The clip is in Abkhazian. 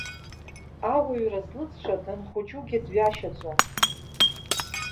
Ауаҩра злыҵша данхәыҷугьы дҩашьаӡом!